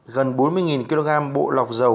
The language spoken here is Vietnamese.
gần bốn mươi kg bộ lọc dầu